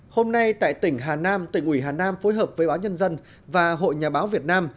hôm nay tại tỉnh hà nam tỉnh ủy hà nam phối hợp với báo nhân dân và hội nhà báo việt nam